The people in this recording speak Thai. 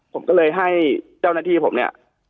ผมก็เลยให้เจ้าหน้าที่ผมเนี่ย